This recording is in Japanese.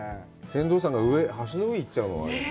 船頭さんが橋の上行っちゃうの？